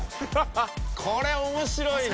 これ面白いな。